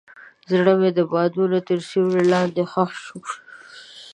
زړه مې د بادونو تر سیوري لاندې ښخ شو.